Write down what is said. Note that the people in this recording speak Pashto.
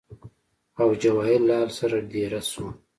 او جواهر لال سره دېره شو